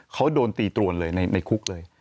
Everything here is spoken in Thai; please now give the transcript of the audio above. เขาโดนตีตรวนเลยในคุกเลย